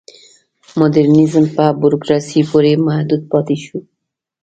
مډرنیزم په بوروکراسۍ پورې محدود پاتې شو.